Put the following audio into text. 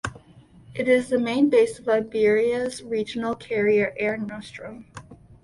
It is the main base of Iberia's regional carrier Air Nostrum.